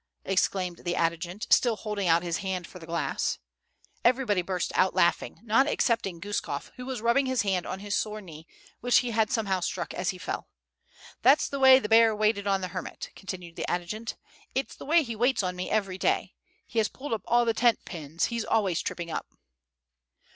exclaimed the adjutant, still holding out his hand for the glass. Everybody burst out laughing, not excepting Guskof, who was rubbing his hand on his sore knee, which he had somehow struck as he fell. "That's the way the bear waited on the hermit," continued the adjutant. "It's the way he waits on me every day. He has pulled up all the tent pins; he's always tripping up."